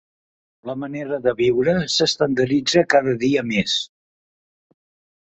La manera de viure s'estandarditza cada dia més.